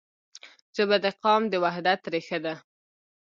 ژبه د قام د وحدت رښه ده.